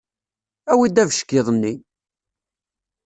Awi-d abeckiḍ-nni!